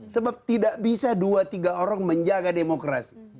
sebab tidak bisa dua tiga orang menjaga demokrasi